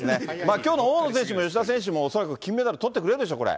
きょうの大野選手も芳田選手も恐らく金メダルとってくれるんでし